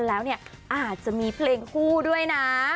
อาจจะมีเพลงด้วยนะ